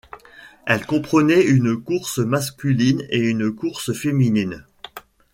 Elle comprenait une course masculine et une course féminine.